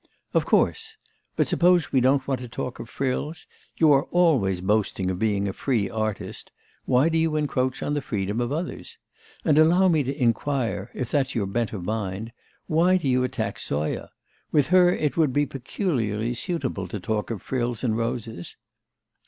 'Of course. But suppose we don't want to talk of frills? You are always boasting of being a free artist; why do you encroach on the freedom of others? And allow me to inquire, if that's your bent of mind, why do you attack Zoya? With her it would be peculiarly suitable to talk of frills and roses?